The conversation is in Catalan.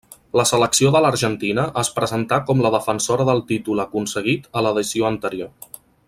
La selecció de l'Argentina, es presentà com la defensora del títol aconseguit a l'edició anterior.